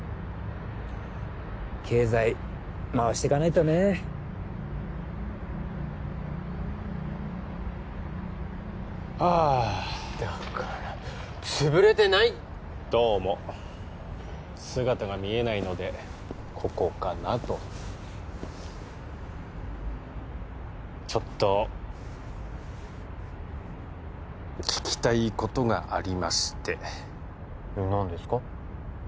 経済回してかないとねえああだからつぶれてないどうも姿が見えないのでここかなとちょっと聞きたいことがありまして何ですか？